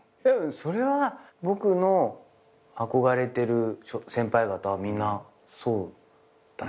それは僕の憧れてる先輩方はみんなそうだし。